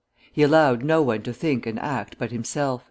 He allowed no one to think and act but himself."